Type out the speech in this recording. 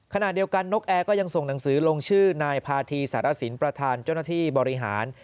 ขณะเดียวกันนกแอร์ก็ยังส่งหนังสือลงชื่อนายพาธีสารสินประธานเจ้าหน้าที่บริหาร